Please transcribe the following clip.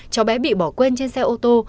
cháu bé bị bỏ quên trên xe ô tô